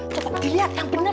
cepet dilihat yang bener